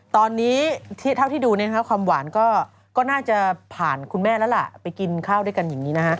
ตอนนี้เท่าที่ดูความหวานก็น่าจะผ่านคุณแม่แล้วล่ะไปกินข้าวด้วยกันอย่างนี้นะฮะ